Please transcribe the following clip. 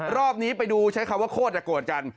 รอบนี้ไปดูใช้คำว่าโฆษยากโกรธจันทร์